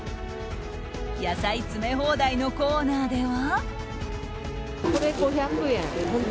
野菜詰め放題のコーナーでは。